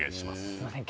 すいません